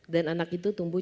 dan anak itu tumbuh